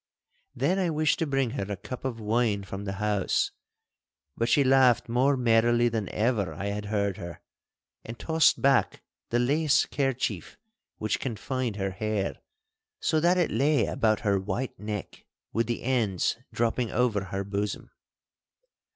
Then I wished to bring her a cup of wine from the house. But she laughed more merrily than ever I had heard her, and tossed back the lace kerchief which confined her hair, so that it lay about her white neck with the ends dropping over her bosom.